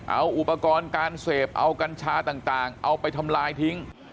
เอาอุปกรณ์การเสพเอากัญชาต่างเอาไปทำลายทิ้ง